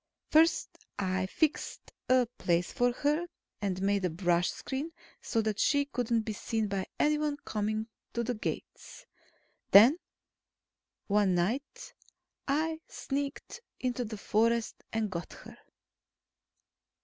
First I fixed a place for her, and made a brush screen, so that she couldn't be seen by anyone coming to the gates. Then, one night, I sneaked into the forest and got her.